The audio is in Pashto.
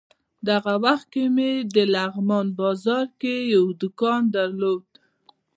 دغه وخت کې مې د لغمان بازار کې یو دوکان درلود.